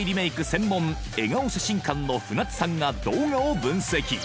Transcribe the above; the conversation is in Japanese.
専門えがお写真館の船津さんが動画を分析